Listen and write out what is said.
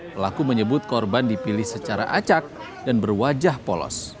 pelaku menyebut korban dipilih secara acak dan berwajah polos